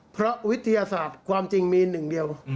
เพราะวิทยาศาสตร์ความจริงมีหนึ่งเดียว